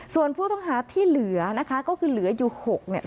ส่วนผู้ต้องหาที่เหลือนะคะก็คือเหลืออยู่๖เนี่ย